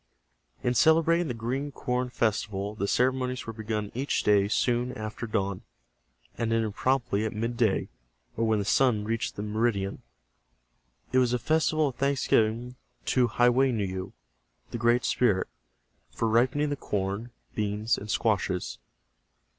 In celebrating the Green Corn Festival the ceremonies were begun each day soon after dawn, and ended promptly at midday, or when the sun reached the meridian. It was a festival of thanksgiving to Ha weu ne yu, the Great Spirit, for ripening the corn, beans and squashes.